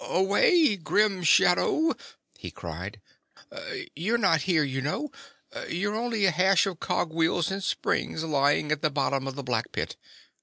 "Away, grim Shadow!" he cried. "You're not here, you know; you're only a hash of cogwheels and springs, lying at the bottom of the black pit.